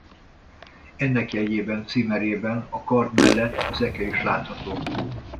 Ennek jegyében címerében a kard mellett az eke is látható.